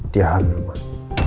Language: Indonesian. dia hamil mbak